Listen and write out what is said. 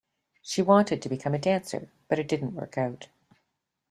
She wanted to become a dancer but it didn't work out.